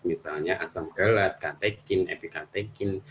misalnya asam gelat katekin efekin